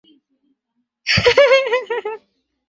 এই সকল বিষয়ের চর্চা ও অভ্যাস স্বভাবতই কর্মযোগের একটি অংশ।